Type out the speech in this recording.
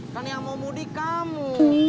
kan yang mau mudik kamu